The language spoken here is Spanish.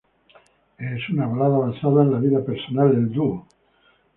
Es una balada basada en la vida personal del dúo.